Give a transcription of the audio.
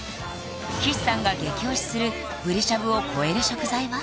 岸さんが激推しするブリしゃぶを超える食材は？